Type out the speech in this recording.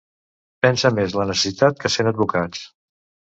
Pensa més la necessitat que cent advocats.